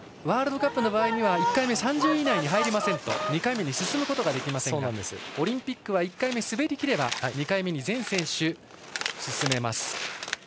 ワールドカップの場合は１回目、３０位以内に入りませんと２回目に進むことができませんがオリンピックは１回目を滑りきれば２回目に全選手が進めます。